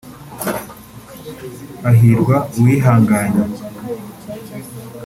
Hahirwa uwihanganye